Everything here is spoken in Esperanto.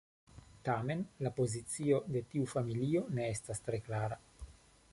Tamen la pozicio de tiu familio ne estas tre klara.